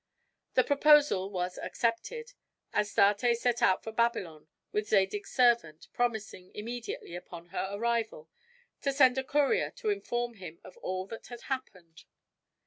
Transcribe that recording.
The proposal was accepted. Astarte set out for Babylon with Zadig's servant, promising, immediately upon her arrival, to send a courier to inform him of all that had happened.